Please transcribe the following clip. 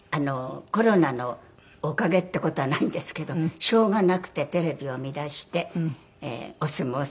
コロナのおかげっていう事はないんですけどしょうがなくてテレビを見だしてお相撲さんにはまりました。